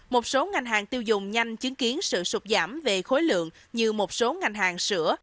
một số ngành hàng tiêu dùng nhanh chứng kiến sự sụp giảm về khối lượng như một số ngành hàng sữa